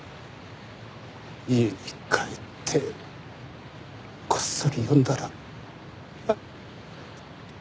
家に帰ってこっそり読んだら。